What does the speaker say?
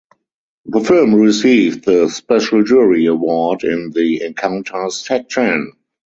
The film received the Special Jury Award in the Encounters section.